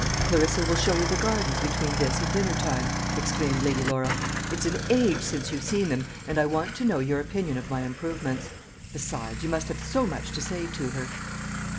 "Clarissa shall show you the gardens between this and dinner time," exclaimed Lady Laura. "It's an age since you've seen them, and I want to know your opinion of my improvements. Besides, you must have so much to say to her."